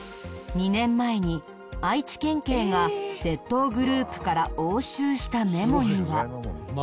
２年前に愛知県警が窃盗グループから押収したメモには。